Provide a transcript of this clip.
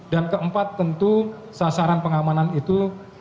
keempat tentu sasaran pengamanan itu